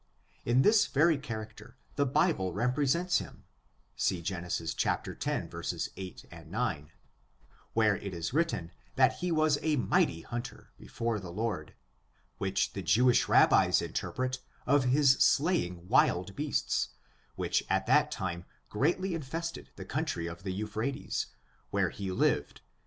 In this very character the Bible represents him ; see Gen. x, 8, 9, where it is written, that he was a mighty hunter, be fore the LfOrd, which the Jewish rabbis interpret of his slaying wild beasts, which at that time greatly infested the country of the Euphrates, where he lived.